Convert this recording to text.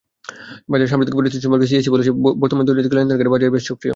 বাজারের সাম্প্রতিক পরিস্থিতি সম্পর্কে সিএসই বলেছে, বর্তমানে দৈনিক লেনদেনকারীরা বাজারে বেশি সক্রিয়।